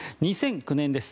２００９年です。